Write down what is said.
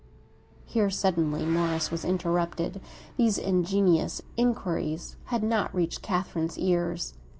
Here, suddenly, Morris was interrupted; these ingenious inquiries had not reached Catherine's ears.